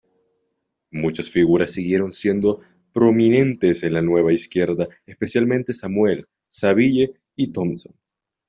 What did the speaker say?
Muchas figuras siguieron siendo prominentes en la Nueva Izquierda, especialmente Samuel, Saville y Thompson.